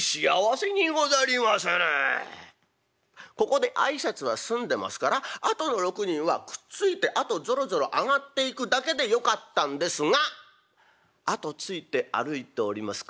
ここで挨拶は済んでますからあとの６人はくっついてあとぞろぞろ上がっていくだけでよかったんですがあとついて歩いております